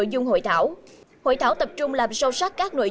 vũ khí chiến lược mới